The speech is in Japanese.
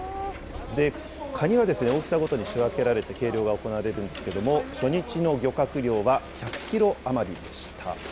カニは大きさごとに仕分けられて計量が行われるんですけれども、初日の漁獲量は１００キロ余りでした。